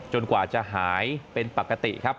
กว่าจะหายเป็นปกติครับ